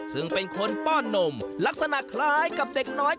ซึ่งเป็นคนป้อนนมลักษณะคล้ายกับเด็กน้อย